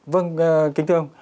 vâng kinh thương